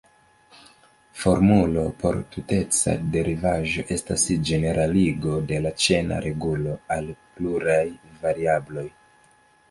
Formulo por tuteca derivaĵo estas ĝeneraligo de la ĉena regulo al pluraj variabloj.